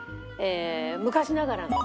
昔ながらの。